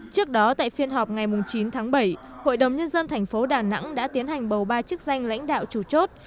trước đó tại phiên họp ngày chín tháng bảy hội đồng nhân dân thành phố đà nẵng đã tiến hành bầu ba chức danh lãnh đạo chủ chốt